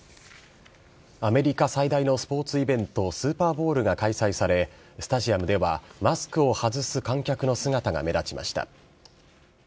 アメリカ最大のスポーツイベント、スーパーボウルが開催され、スタジアムではマスクを外す観客の姿が目立ちました。